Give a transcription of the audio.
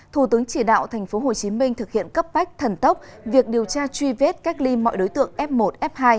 thủ tướng chỉ đạo tp hcm thực hiện cấp bách thần tốc việc điều tra truy vết cách ly mọi đối tượng f một f hai